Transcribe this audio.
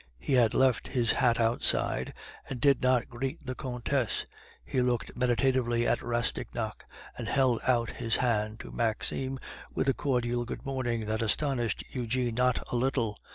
He had left his hat outside, and did not greet the Countess; he looked meditatively at Rastignac, and held out his hand to Maxime with a cordial "Good morning," that astonished Eugene not a little.